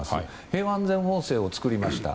平和安全法制を作りました。